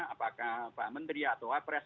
apakah pak menteri atau pak pres